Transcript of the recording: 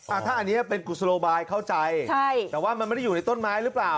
อ่ะถ้าอันนี้เป็นกุศโลบายเข้าใจใช่แต่ว่ามันไม่ได้อยู่ในต้นไม้หรือเปล่า